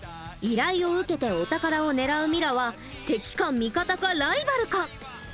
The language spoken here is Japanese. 依頼を受けてお宝を狙うミラは敵か味方かライバルか？